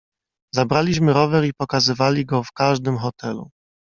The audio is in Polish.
"Zabraliśmy rower i pokazywali go w każdym hotelu."